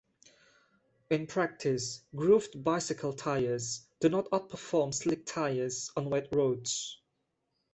In practice, grooved bicycle tyres do not outperform slick tyres on wet roads.